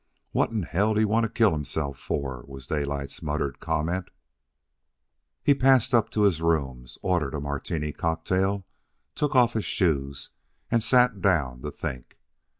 What in hell did he want to kill himself for? was Daylight's muttered comment. He passed up to his rooms, ordered a Martini cocktail, took off his shoes, and sat down to think.